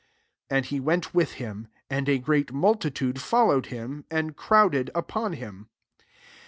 24 And he went with him ; and a great multi tude followed him, and crowd ed upon him.